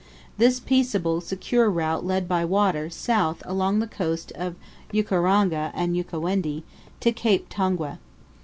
This peaceable, secure route led by water, south, along the coast of Ukaranga and Ukawendi, to Cape Tongwe.